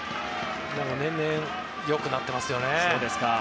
年々、良くなってますよね。